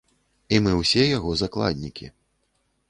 І мы ўсе яго закладнікі.